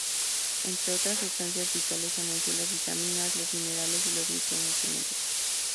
Entre otras sustancias vitales, enunció las vitaminas, los minerales y los micronutrientes.